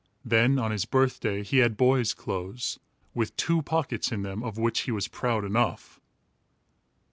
Then, on his birthday, he had boy's clothes, with two pockets in them, of which he was proud enough.